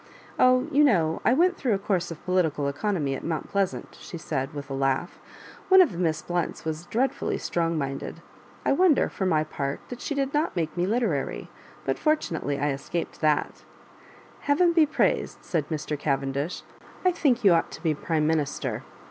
" Oh, you know, I went through a course of political economy at Mount Pleasant," she said, with a laugh ;" one of the Miss Blounts was dreadfully strong minded. I. wonder, for my part, that she did not make me literary; but fortunately I escaped that" " Heaven be praised I " said Mr. Cavendish. " I think you ought to be Prime minister.